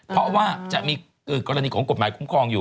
เพราะว่าจะมีกรณีของกฎหมายคุ้มครองอยู่